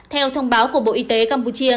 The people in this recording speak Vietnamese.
theo thông báo của bộ y tế campuchia